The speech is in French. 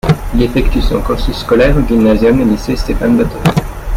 Il effectue son cursus scolaire au Gymnasium et lycée Stefan Batory.